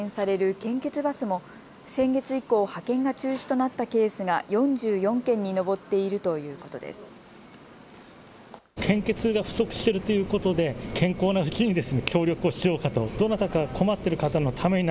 献血バスも先月以降、派遣が中止となったケースが４４件に上っているということです。